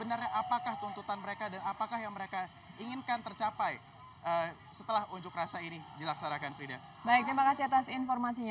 apakah tuntutan mereka dan apakah yang mereka inginkan tercapai setelah unjuk rasa ini dilaksanakan